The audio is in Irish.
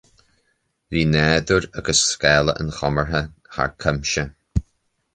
Bhí nádúr agus scála an chomórtha thar cuimse